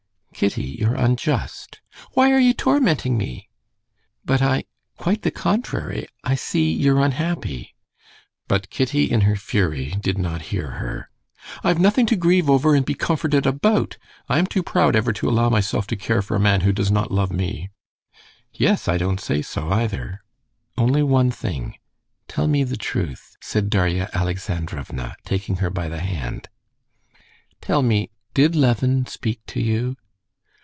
"Kitty, you're unjust." "Why are you tormenting me?" "But I ... quite the contrary ... I see you're unhappy...." But Kitty in her fury did not hear her. "I've nothing to grieve over and be comforted about. I am too proud ever to allow myself to care for a man who does not love me." "Yes, I don't say so either.... Only one thing. Tell me the truth," said Darya Alexandrovna, taking her by the hand: "tell me, did Levin speak to you?..."